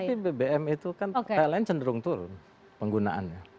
tapi bbm itu kan lain lain cenderung turun penggunaannya